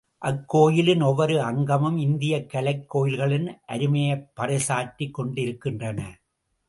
அக் கோயிலின் ஒவ்வொரு அங்கமும் இந்தியக் கலைக் கோயில்களின் அருமையைப் பறை சாற்றிக் கொண்டிருக்கின்றன.